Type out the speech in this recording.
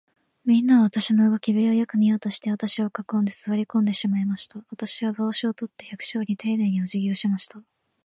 みんなは、私の動きぶりをよく見ようとして、私を囲んで、坐り込んでしまいました。私は帽子を取って、百姓にていねいに、おじぎをしました。